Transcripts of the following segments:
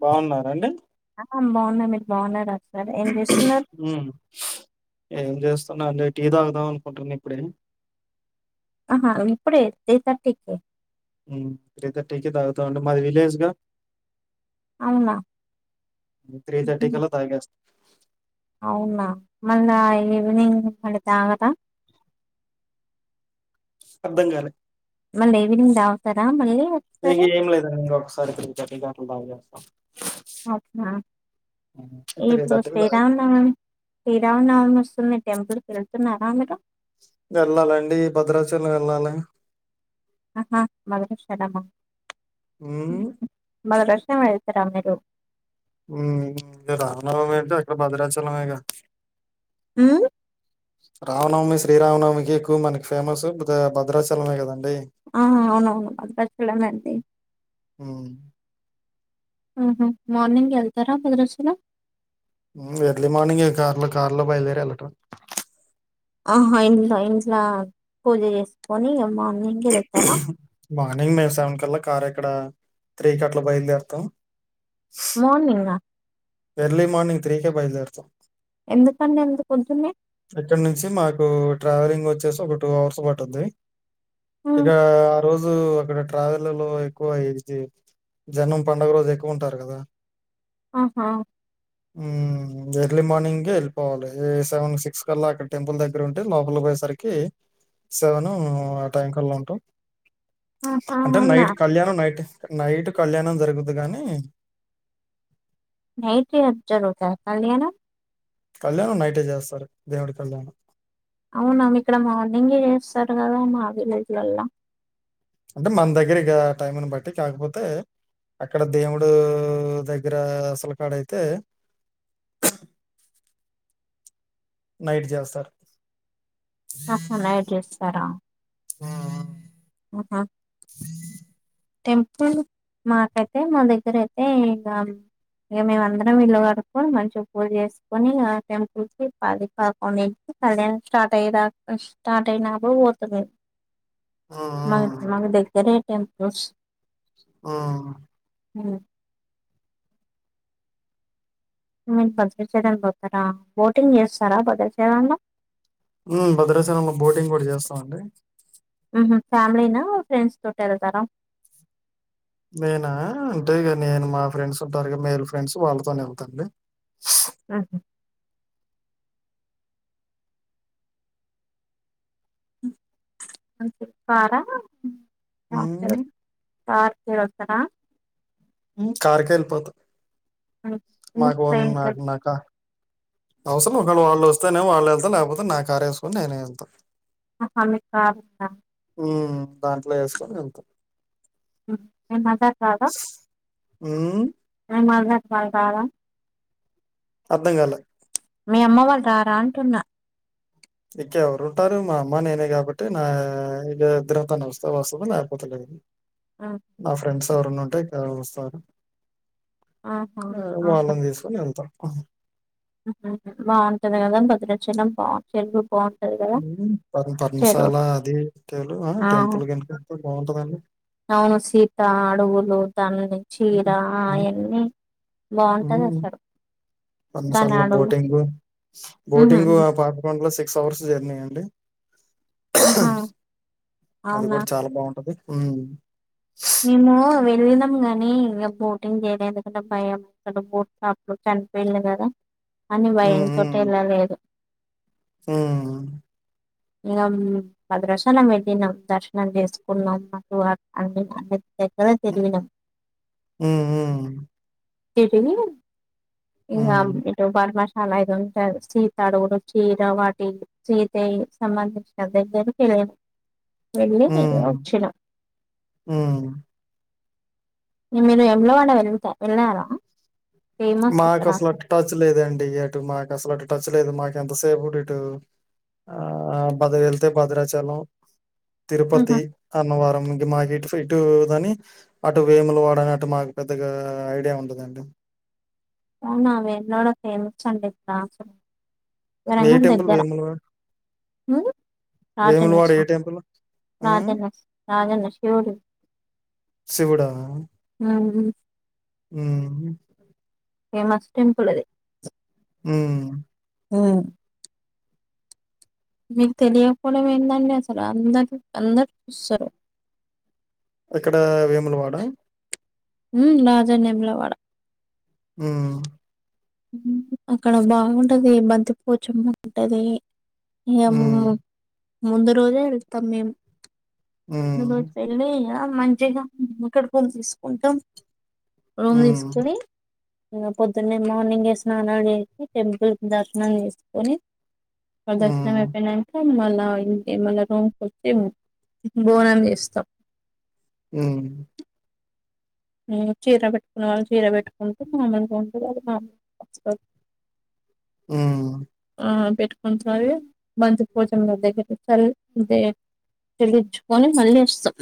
బావున్నారా అండి అ బావున్నా మీరు బావున్నారా అం మ్ ఏం చే స్తాలేం టీ తాగుదాం అనుకుంటున్న ఇప్పుడే అహా ఇప్పుడే త్రీ థర్టీకే మ్ త్రీ థర్టీకే తాగుతా అంటే మాది విలేజ్గా అవునా త్రీ హుహు. థర్టీ కల్ల తాగేస్త అవునా మళ్ళా ఈవినింగ్ మళ్ళీ తాగరా అర్ధం కాలే మళ్ళీ ఈవినింగ్ తాగుతార మళ్ళీ ఇగ ఒకసారి ఏం లేదు అండి ఇంగా ఒకసారి త్రీ థర్టీ క నిను డైల్ చేస్తా అవునా హ్మ్. ఇప్పుడు తాగే శ్రీరామనవమి శ్రీరామనవమి వస్తుంది టెంపుల్ కి వెళ్తున్నారా మీరు వెళ్ళాలండి. భద్రాచలం వెళ్ళాలి ఆహా మార్గశరామం మ్ న వెళ్తారా మీరు ఉ రామనవం ఏంటే అక్కడ భద్రాచలమేగా హు రామనవమి శ్రీరామనవమికి ఎక్కువ మనకి ఫేమస్ భద్రాచలమె కద ఆ అవునవును భద్రాచలమే అండి హు ఆహ మార్నింగ్ వెళ్తారా భద్రాచలం ఎర్లీ మార్నింగ్ కార్లో కార్లో బయలుదేరి ఎలటం ఆహా ఇంట్లో ఇంట్లో పూజ చేసుకొని ఇగా మర్ మార్నింగ్ మేము సేవన్ కళ్ళ కార్ ఇక్కడ త్రీ కట్లు బయలుదేరుతాం మార్నింగా ఎర్లీ మార్నింగ్ త్రీకే బైయలుదేరుతం ఎందుకండి ఎంత పొద్దున్నే ఇక్కడి నుంచి మాకు ట్రావెలింగ్ వచ్చేసి ఒక టూ అవర్స్ పట్టుద్ది ఇక హ్మ్. ఆ రోజు అక్కడ రావలలో ఎక్కువ ఇది జన్నం పండుగ రోజు ఎక్కువ ఉంటారు కదా ఆహా హ్మ్. ఎర్లీ మార్నింగ్ే వెళ్ళిపోవాలి సెవెన్ సిక్స్ కల్లా అక్కడ టెంపుల్ దగ్గర ఉంటే లోపలికి పోయేసరికి సెవెన్ ఆ టైం కల్లా ఉంటాం ఆహా! అంటే అవునా! నైట్ కళ్యాణం నైట్ నైట్ కళ్యాణం జరుగుదు గానీ నతే అ జరుత కానా కళ్యాణం నైటే చేస్తారు దేవుడి కళ్యాణం అవునాం ఇక్కడ మాౌగ చేస్తాడు కదా మా విలేజ్లల్ల అంటే మన దగ్గరక టైంని బట్టి కాకపోతే అక్కడ దేవుడు దగ్గర అసలు కాడ అయితే నైట్ చేస్తారు న్నాడెస్స్తార ఆ ఆహా టెంపుల్ మాకైతే మా దగ్గర అయితే ఇం ఇక మేమందరం ఇల్లు కడుకొని మంచిగా పూజ చేసుకొని ఆ టెంపుల్ కి పది పాకం సడెన్ స్టార్ట్ అయ్యా స్టార్ట్ అయినాప్పుడు పోతుంది మ హ్మ్. మ దతే రే ఎం బస్ ఆ అ మీరు బదల చేదని పోతారా బోటింగ్ చేస్తారా బదలు చేదంలో భద్రాచలంలో బోటింగ్ కూడా చేస్తాంండి ఫ్యామిలీనా ఫ్రెండ్స్ తోట వెళ్తారా నేనా అంటే ఇక నేను మా ఫ్రెండ్స్ ఉంటారు మేలు ఫ్రెండ్స్ వాళ్ళతో వెళ్తాండి ఆ వారా స హ్మ్. సార్ మీరు వస్తారా కార్కేళ్ళిపోత మ్హూ. ఎందుకు మాగవన్ ట్రైన్ కి నాగన్నాక అవసరం ఒకళ్ళ వాళ్ళు వస్తేనేమో వాళ్ళు వెళ్తారు లేకపోతే నా కారు వేసుకొని నేనే వెళ్తా అహ మీకు కార్ ఉందా మ్ దాంట్లో వేసుకొని వెళ్తాం మేము మజా రాధ హ్మ్ మదర్ వాళ్ళు రా రా అర్థం కాలే మీ అమ్మ వాళ్లు రారా అంటున్నా ఇంక ఎవరు ఉంటారు మా అమ్మ నేనే కాబట్టి నా ఇక ఇద్దరు తాను వస్తే వస్తుంది లేకపోతే లేదు ఊహూ నా ఫ్రెండ్స్ ఎవరున్నా ఉంటే ఇక వస్తే ఎవరు ఆహా ఆ వాళ్ళని తీసుకొని వెళ్తా ఆ హ్మ్మ్ హ్మ్మ్ బాగుంటది కదా భద్రచలం బా టెంపుల్ బా మ్మ్ ప పర్మశాల అది టెలు అ ఆ టెంపుల్ కనుక బాగుంటదండి అవును సీత అడుగులు మ్మ్ మ్మ్ బాగుంటది మ్మ్ అసలు. పర్ణశాల దాన్ని లో అడుగు బోటింగ్ ఉహు బోటింగ్ ఆ పాపి కొండలో సిక్స్ అవర్స్ జర్నీ అండి ఆహా అది అవునా కూడా చాలా బాగుంటది మ్మ్ మేము వెళ్ళినం గానీ ఇంకా బోటింగ్ చేయలే ఎందుకంటే భయం [unintelligible] చనిపోయింది కదా అని భయంతోటి వెళ్ళ లేదు హ్మ్మ్ ఇగ భద్రాచలం వేళ్ళినం దర్శనం చేసుకున్నాం [inaudible] మ్మ్ మ్మ్ మ్మ్ ఏంటది ఇగ ఇటు పద్మశా [unintelligible] ఉంటది సీత అడుగులు చీర వాటి సీతే సంబంధించిన [unintelligible] వెళ్లి హ్మ్. వచ్చినం హ్మ్. మీరు వేములవాడ వెళ్తా వెళ్ళారా ఫేమస్ మాకు ఇక్కడ అసలు టచ్ లేదండి అటు మాకు అసలు ట చ్ లేదు మాకు ఎంతసేపుడు ఇటు ఆ బద్ర వెళ్తే భద్రాచలం ఉహు తిరుపతి, అన్నవరం మాకి ఇటు ఇటు ఇదని అటు వేములవాడనట్టు మాకు పెద్దగా ఐడియా ఉండదండి అవునా వేములవాడ ఫేమస్ అండి [unintelligible] ఏ విరంగం టెంపుల్ దగ్గర వేములవాడ రాజన్న వేములవాడ ఏ టెంపుల్ ఆ రాజన్న రాజన్న శివుడు శివుడా మ్మ్ ఫేమస్ టెంపుల్ అది మ్మ్ మ్మ్ మీకు తెలియపోవడం ఏందండి అసలు అందరు అందరు చూస్తరు ఎక్కడ వేములవాడా మ్మ్ రాజన్న వేములవాడ మ్మ్ అక్కడ బాగుంటది బంతిపోచం బాగుంటది హ్మ్ [unintelligible] ముందు రోజే వెళ్తాం మేము ముందు హ్మ్ రోజు వెళ్ళి మంచిగా ఇక్కడ రూమ్ తీసుకుంటాం రూమ్ హ్మ్ తీస్కొని పొద్దున్న మార్నింగ్ ఏ స్నానాలు చేసి టెంపుల్ దర్శనం చేసుకొని ప్రదక్షిణం హ్మ్ అయిపోయినక మళ్ళా ఇం మళ్ళ రూమ్కి వచ్చి బోనం చేస్తాం అ ఉమ్ చీర పెట్టుకునే వాళ్ళు చీర పెట్టుకుంటే మామూలుగాా ఉండేవాళ్లు మాములుగా ఆ ఆ పెట్టుకుంటు మంత పూజనల దగ్గరి చ అదే చెల్లించుకొని మళ్ళీ ఇస్తాం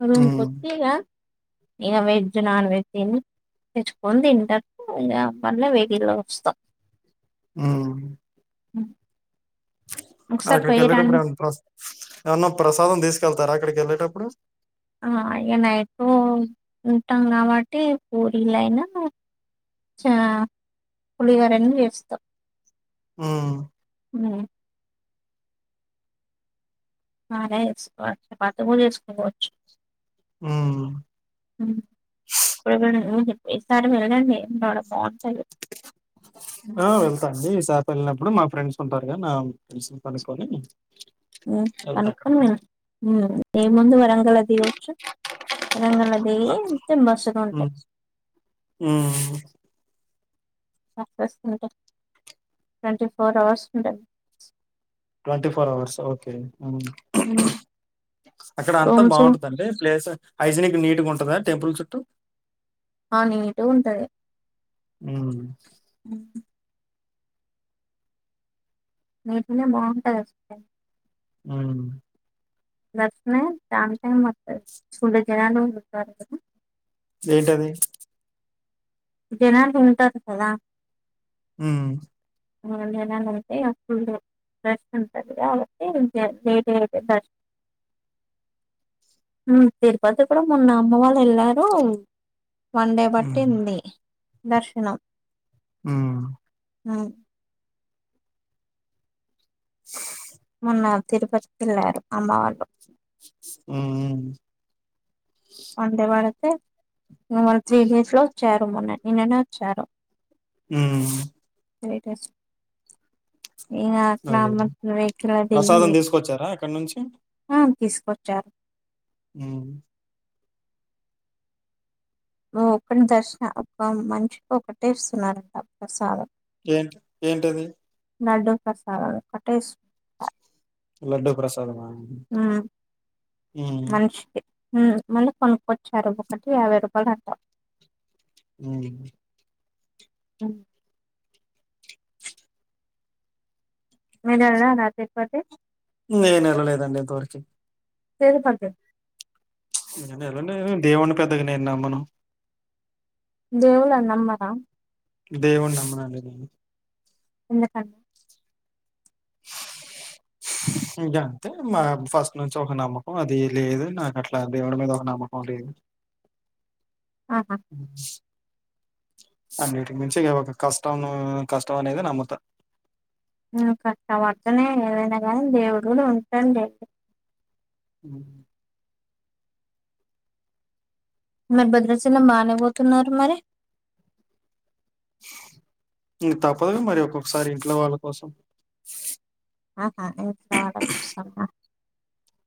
ఆ రూమ్ హ్మ్ కొచ్చి ఇగ ఇక వెజ్ నాన్ వెజ్ తెచ్చుకొని తింటర్ ఇ మళ్ళీ వెడిల్లో వస్తాం ఆ [inaudible] ఒకసారి అక్కడికి పోయి వెళ్ళేటప్పుడు రండి ఏమన్నా ఏమన్నా ప్రసాదం తీసుకెళ్తారా ఇక్కడకాల టప్పుడు ఆ ఇ నైట్ ఉంటాం కాబట్టి పూరీల అయినా చ పులిగరీ చేస్తాం ఆ అ మ ఎసుకు బత పో ఎసుకుచ్చు హ్మ్ [unintelligible] ఈసారి వెళ్ళండి బాగుంటది ఆ వెళ్తా అండి ఈ సారి వెళ్ళినప్పుడు మా ఫ్రెండ్స్ ఉంటారు కదా నా ఫ్రెండ్స్ కనుక్కొని ఉమ్ వెళ్తా కనుకొని అక్కడికి. వెళ్ళండి ముందు వరంగల దిగచ్చు రంగులదివింత బసులు హ్మ్. ఉంటాయి హ్మ్. స్తుంటా ట్వంటీ ఫోర్ అవర్స్ ఉంటాయి ట్వంటీ ఫోర్ అవర్స్ ఓకే హ్మ్. అక్కడ అంతా రూమ్స్ బాగుంటుందండి ప్లేస్ హైజనిక్ నీట్గా ఉంటుందా టెంపుల్ చుట్టూ ఆ నీట్ గా ఉంటుంది అ [inaudible] నీట్ గా బాగుంటది అసలు ఆ దక్షణ దాంటె మ చూడు జనాలు ఉతారు ఏంటది జనాలు ఉంటారు కదా హ్ జనాలుంటే ఇగ ఫుల్ రాష్ ఉంటది. కాబట్టి [unintelligible] రష్ హ్ తిరుపతికి కూడా మొన్న అమ్మ వాళ్ళు ఏళ్ళారు. వన్ డే హ్మ్. పట్టింది. దర్శనం హు హ్ మొన్నా తిరుపతికి ఏళ్ళారు అమ్మ వాళ్ళు ఉమ్ అందే భారత్ టె ఇగ మల్లి త్రీ డేస్ లో చ్చరూ మొన్న నిన్ననే వచ్చరూ ఉమ్ లేటెస్ట్ అదే. ప్రసాదం తీసుకొచ్చారా అక్కడి నుంచి? [unintelligible] తీసుకొచ్చారు హ్ [unintelligible] దర్శన ఒక మనిషి ఒకటే ఇస్తున్నరాంట ప్రసాదం ఏంటి ఏంటది లాడ్డు ప్రసాదం ఒకట్టే ఇస్తు లడ్డు ప్రసాదమ హ్ మనిషికి హ్ మళ్ళీ కొనుక్కొచ్చారు. ఒకటి యాభై రూపాయలు అంట హు హ్ మీరు ఎల్లారా తిరుపతి నేను ఎల్ల లేదండి ఇంత వరకి తిరుపతి [unintelligible] దేవుని పెద్దగా నేను నమ్మను దేవులన్ నమ్మరా దేవుడు నమ్మ నండి నేను ఎందుకండి ఇగా అంతే మా ఫస్ట్ నుంచి ఒక నమ్మకం. అది లేదు. నాకు అట్లా దేవుడి మీద ఒక నమ్మకం లేదు. ఆహా ఉ అన్నిటికి నుంచి ఒక కష్టం కష్టం అనేది నమ్ముతా హ్ కష్టపడతనే ఏదైనా గానీ దేవుడు గూడ ఉంటాడు లే హ్ మీర్ భద్రచలం బానే పోతున్నారు మరి ఇగా తప్పదు మరి ఒక్కొక్కసారి ఇంట్లో వాళ్ళ కోసం ఆహా ఇంట్ల వాళ్ళ కోసం మా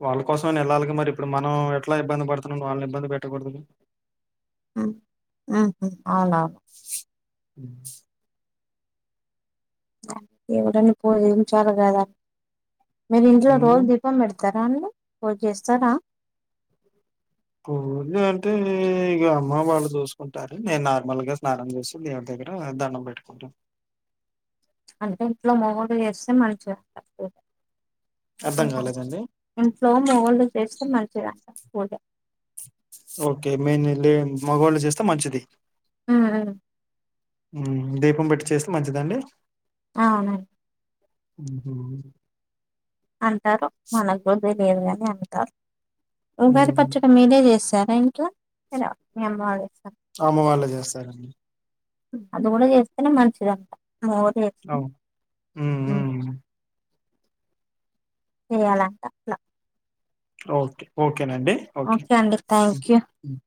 వాళ్ళ కోసం ఐనా ఏళ్లాలి. మరి ఇప్పుడు మనం ఎట్లా ఇబ్బంది పడుతున్నా వాళ్ళని ఇబ్బంది పెట్టకూడదుగా అవునా అ దేవుడని పూజించాలి కదా మీరు ఇంట్లో ఉమ్ రోజు దీపం పెడత పెడతారా అండి పూజ చేస్తారా పూజ అంటే ఇక అమ్మ వాళ్ళు చూసుకుంటారు. నేను నార్మల్ గా స్నానం చేసి దేవుడి దగ్గర దండం పెట్టుకుంటాను. అంటే ఇంట్లో మొగోళ్లు చేస్తే మంచిదంట. అర్థం కాలేదండి ఇంట్లో మొగోళ్లు మ పోద ఓకే మెయిన్ లే మగవాళ్ళు చేస్తే మంచిది ఆ ఆ హ్మ్ దీపం పెట్టి చేస్తే మంచిదండి అవును ఊహూ అంటారు మనగ్గూడ తె వేరుగానే అంటారు ఉగాది హ్మ్ పచ్చడి మీరే చేస్తా [unintelligible] ఎలా మీ అమ్మ వాళ్ళు చేస్ అమ్మ వాల్లే చేస్తారండి అది కూడా చేస్తేనే మంచిదంట మోరు చేసి అవు హ్మ్ మ్మ్ చేయాలంట అట్ల ఓకే ఓ ఓకేనండి ఓకే అండి థ్యాంక్ హ్మ్ యూ మ్మ్